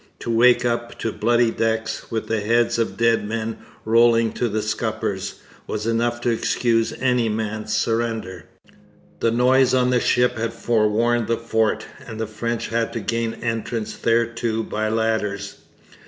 To wake up to bloody decks, with the heads of dead men rolling to the scuppers, was enough to excuse any man's surrender. The noise on the ship had forewarned the fort, and the French had to gain entrance thereto by ladders.